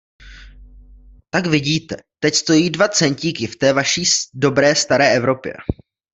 Tak vidíte; teď stojí dva centíky v té vaší dobré staré Evropě.